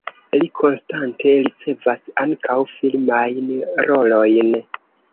Li konstante ricevas ankaŭ filmajn rolojn.